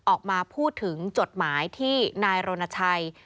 ออกมาพูดถึงจดหมายที่นายรณชัย